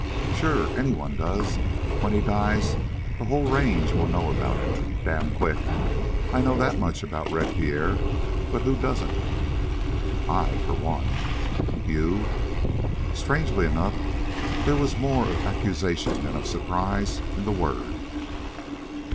"Sure. Anyone does. When he dies the whole range will know about it damn quick. I know that much about Red Pierre; but who doesn't?" "I, for one." "You!" Strangely enough, there was more of accusation than of surprise in the word.